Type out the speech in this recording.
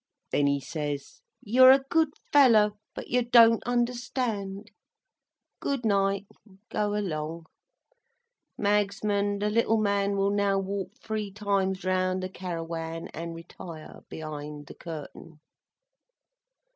Then, he says, "You're a good fellow, but you don't understand. Good night, go along. Magsman, the little man will now walk three times round the Cairawan, and retire behind the curtain."